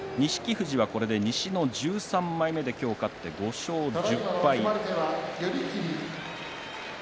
富士はこれで西の１３枚目で今日勝って５勝１０敗。